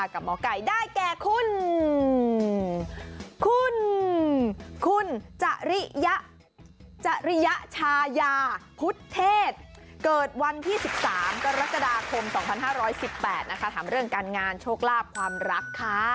คุณคุณคุณจริยชายาพุทธเทศเกิดวันที่๑๓กรกฎาคม๒๕๑๘ถามเรื่องการงานโชคลาภความรักค่ะ